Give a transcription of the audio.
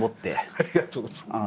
ありがとうございます。